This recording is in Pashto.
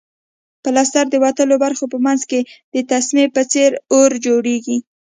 پلستر د وتلو برخو په منځ کې د تسمې په څېر اوار جوړیږي.